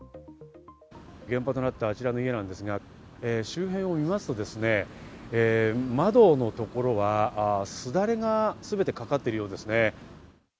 現場となった家ですが、周辺を見ますと窓のところはすだれがすべてかかっているようですね。